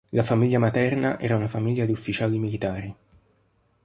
La famiglia materna era una famiglia di ufficiali militari.